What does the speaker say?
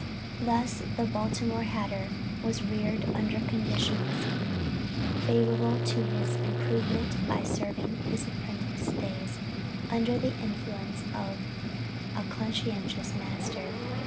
Thus the Baltimore hatter was reared under conditions favorable to his improvement by serving his apprentice days under the influence of a conscientious master.